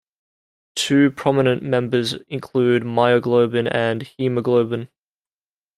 Two prominent members include myoglobin and hemoglobin.